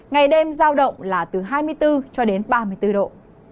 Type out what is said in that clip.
ngày đêm giao động là từ hai mươi bốn cho đến ba mươi bốn độ